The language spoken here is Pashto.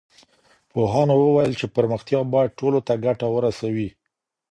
پوهانو وويل چي پرمختيا بايد ټولو ته ګټه ورسوي.